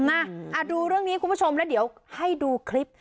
มาดูเรื่องนี้คุณผู้ชมแล้วเดี๋ยวให้ดูคลิป